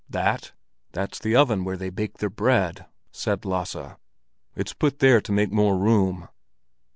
"That? That's the oven where they bake their bread," said Lasse. "It's put there to make more room."